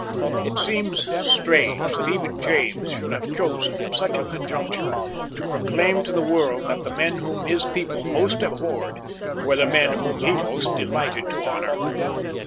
It seems strange that even James should have chosen, at such a conjuncture, to proclaim to the world that the men whom his people most abhorred were the men whom he most delighted to honour.